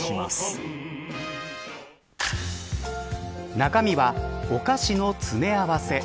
中身はお菓子の詰め合わせ。